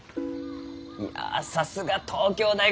いやさすが東京大学ですき。